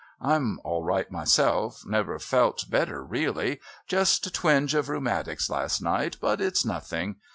I'm all right myself never felt better really. Just a twinge of rheumatics last night, but it's nothing.